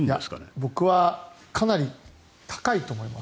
僕はかなり高いと思います。